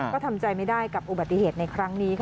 ก็ทำใจไม่ได้กับอุบัติเหตุในครั้งนี้ค่ะ